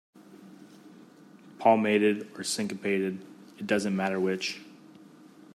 Palmated or syncopated, it doesn't matter which.